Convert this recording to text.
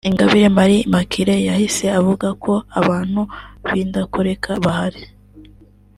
Ingabire Marie Immaculée yahise avuga ko abantu b’indakoreka bahari